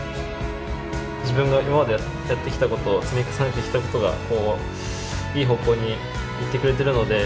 自分が今までやってきたこと積み重ねてきたことがいい方向に行ってくれてるので。